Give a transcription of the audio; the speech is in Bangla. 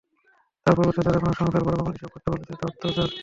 তার পরিবর্তে তাঁরা কোনো সংখ্যার বর্গমূল হিসাব করতে বলছে, এটা অত্যাচার।